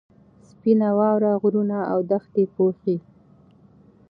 سپینه واوره غرونه او دښتې پوښي.